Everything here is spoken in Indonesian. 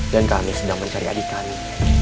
dan kami sedang mencari adik kami